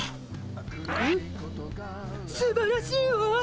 ハッすばらしいわ！